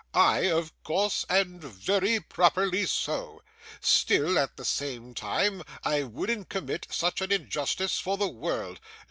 I, of course, and very properly so. Still, at the same time, I wouldn't commit such an injustice for the world.